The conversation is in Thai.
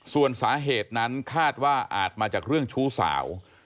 ส่วนสาเหตุนั้นคาดว่าอาจมาจากเรื่องชู้สาว